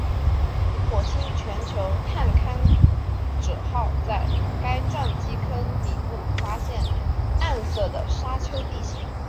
火星全球探勘者号在该撞击坑底部发现暗色的沙丘地形。